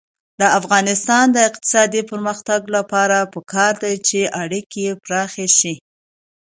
د افغانستان د اقتصادي پرمختګ لپاره پکار ده چې اړیکې پراخې شي.